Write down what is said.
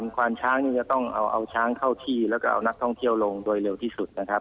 ควานช้างนี่จะต้องเอาช้างเข้าที่แล้วก็เอานักท่องเที่ยวลงโดยเร็วที่สุดนะครับ